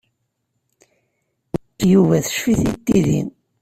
Yuba teccef-it tidi.